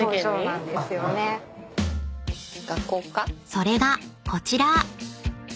［それがこちら］